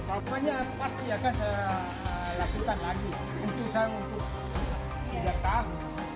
pokoknya pasti akan saya lakukan lagi untuk saya untuk juga tahu